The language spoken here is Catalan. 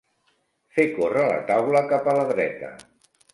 Fer córrer la taula cap a la dreta.